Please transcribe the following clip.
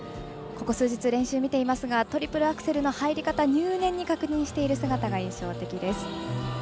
ここ数日、練習、見ていますがトリプルアクセルの入り方入念に確認している姿が印象的です。